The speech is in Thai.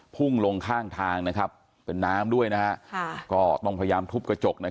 พุ่งลงข้างทางเป็นน้ำด้วยก็ต้องพยายามทุบกระจก